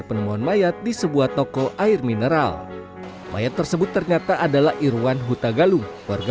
penemuan mayat di sebuah toko air mineral mayat tersebut ternyata adalah irwan huta galung warga